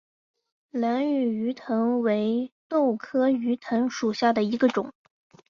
兰屿鱼藤为豆科鱼藤属下的一个种。